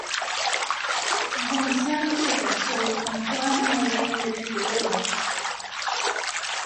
Gonzalo se casó con Juana Moreno de Figueroa.